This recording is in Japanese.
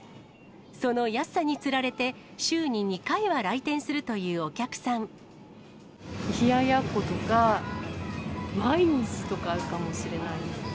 その安さにつられて、週に２回は冷ややっことか、毎日とか使うかもしれないです。